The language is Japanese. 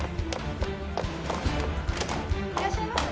いらっしゃいませ。